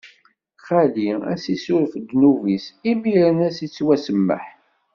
Xali ad s-issuref ddnub-is, imiren ad s-ittwasemmeḥ.